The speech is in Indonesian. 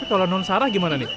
eh tapi kalau nun sara gimana nih